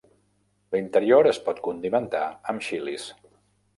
L'interior es pot condimentar amb xilis.